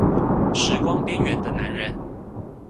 時光邊緣的男人